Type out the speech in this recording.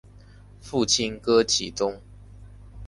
父亲戈启宗。